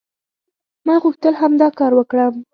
ما غوښتل همدا کار وکړم".